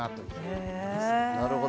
なるほど。